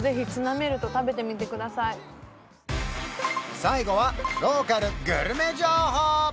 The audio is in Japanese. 最後はローカルグルメ情報！